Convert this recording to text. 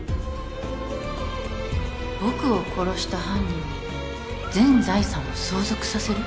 僕を殺した犯人に全財産を相続させる？